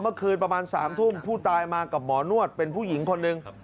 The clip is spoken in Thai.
เมื่อคืนประมาณ๓ทุ่มผู้ตายมากับหมอนวดเป็นผู้หญิงคนหนึ่ง